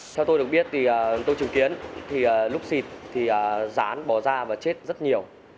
theo tôi được biết thì tôi chứng kiến thì lúc xịt thì rán bỏ ra và chết rất nhiều